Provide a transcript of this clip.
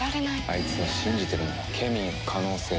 あいつは信じてるんだケミーの可能性を。